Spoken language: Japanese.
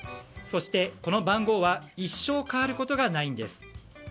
そして、この番号は一生変わることがないんです。